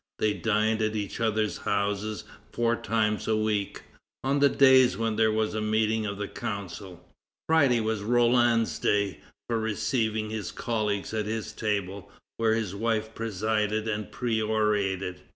They dined at each other's houses four times a week, on the days when there was a meeting of the Council. Friday was Roland's day for receiving his colleagues at his table, where his wife presided and perorated.